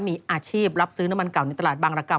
มีอาชีพรับซื้อน้ำมันเก่าในตลาดบางรกรรม